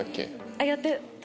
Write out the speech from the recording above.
あっやってた。